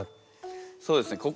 そうですね心